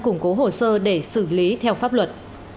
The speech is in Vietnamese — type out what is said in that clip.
đồng hồ sơ để xử lý theo pháp luật